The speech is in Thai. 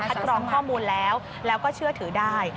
กรองข้อมูลแล้วแล้วก็เชื่อถือได้